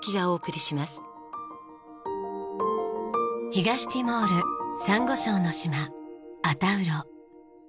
東ティモールサンゴ礁の島アタウロ。